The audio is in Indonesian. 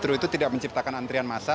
justru itu tidak menciptakan antrian massa